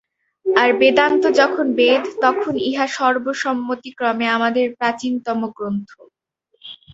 আর বেদান্ত যখন বেদ, তখন ইহা সর্বসম্মতিক্রমে আমাদের প্রাচীনতম গ্রন্থ।